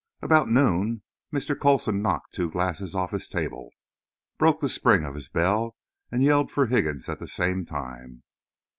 About noon Mr. Coulson knocked two glasses off his table, broke the spring of his bell and yelled for Higgins at the same time.